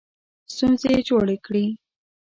ستونزې جوړې کړې.